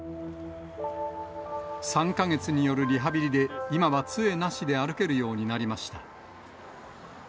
３か月によるリハビリで、今はつえなしで歩けるようになりました。